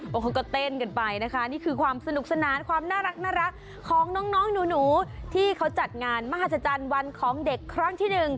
เขาก็เต้นกันไปนะคะนี่คือความสนุกสนานความน่ารักของน้องหนูที่เขาจัดงานมหัศจรรย์วันของเด็กครั้งที่หนึ่ง